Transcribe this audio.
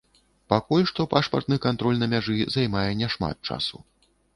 Пакуль што пашпартны кантроль на мяжы займае няшмат часу.